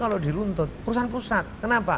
kalau di luntut urusan pusat kenapa